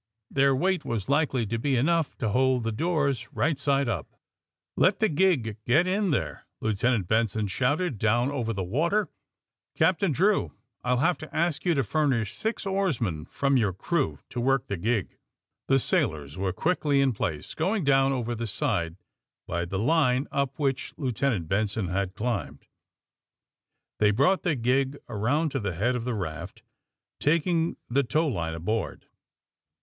Their weight was likely to be enough to hold the doors right side up. "Let the gig get in there," Lieutenant Benson AND THE SMUGGLEES 133 shouted down over the water. *' Captain Drew, I '11 have to ask you to furnish six oarsmen from your crew, to work the gig.'^ The sailors were quickly in place, going down over the side by the line up which Lieutenant Benson had climbed. They brought the gig around to the head of the raft, taking the tow line aboard.